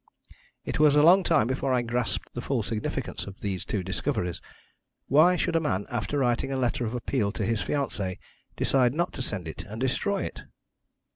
It was a long time before I grasped the full significance of these two discoveries. Why should a man, after writing a letter of appeal to his fiancée, decide not to send it and destroy it?